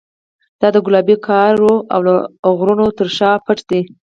دا د ګلابي ګارو او غرونو تر شا پټ دی.